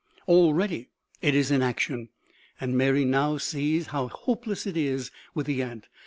Already it is in action. And Mary sees now how hopeless it is with the ant.